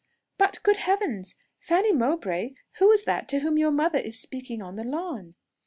But, good heavens! Fanny Mowbray, who is that to whom your mother is speaking on the lawn?"